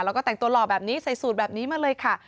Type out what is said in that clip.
แล้วก็แต่งตัวหล่อแบบนี้ใส่สูตรแบบนี้มาเลยค่ะ